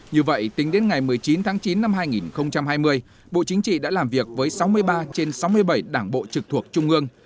như vậy tính đến ngày một mươi chín tháng chín năm hai nghìn hai mươi bộ chính trị đã làm việc với sáu mươi ba trên sáu mươi bảy đảng bộ trực thuộc trung ương